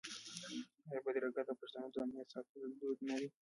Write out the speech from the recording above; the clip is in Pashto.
آیا بدرګه د پښتنو د امنیت ساتلو دود نه دی؟